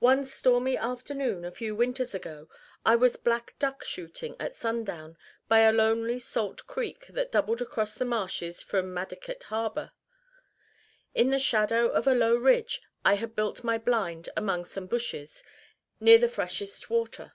One stormy afternoon, a few winters ago, I was black duck shooting at sundown, by a lonely salt creek that doubled across the marshes from Maddaket Harbor. In the shadow of a low ridge I had built my blind among some bushes, near the freshest water.